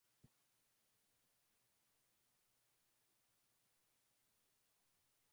kuingilia kati na kusaidia kuandaa kura ya maamuzi